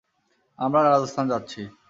আমরা রাজস্থান যাচ্ছি।